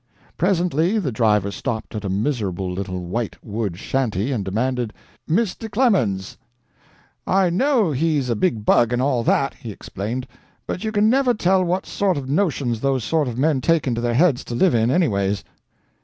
Presently the driver stopped at a miserable, little, white wood shanty, and demanded "Mister Clemens." "I know he's a big bug and all that," he explained, "but you can never tell what sort of notions those sort of men take into their heads to live in, anyways."